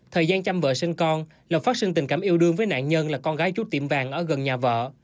thời gian chăm vợ sinh con lộc phát sinh tình cảm yêu đương với nạn nhân là con gái chút tiệm vàng ở gần nhà vợ